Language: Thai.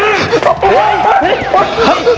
ไอุ้้ยช่วยโกหก